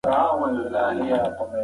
ایلي په لومړي سر کې ډېره خوشحاله وه.